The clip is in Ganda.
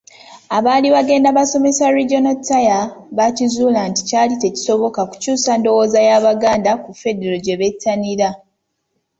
Abaali bagenda basomesa Regional Tier baakizuula nti kyali tekisoboka kukyusa ndowooza y’Abaganda ku Federo gye bettanira.